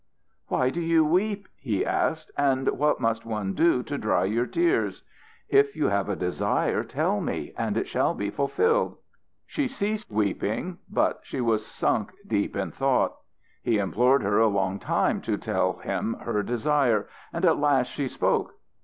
"Why do you weep?" he asked. "And what must one do to dry your tears? If you have a desire tell me and it shall be fulfilled." She ceased weeping, but she was sunk deep in thought He implored her a long time to tell him her desire. And at last she spoke.